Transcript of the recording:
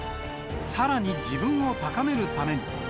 さらに自分を高めるために。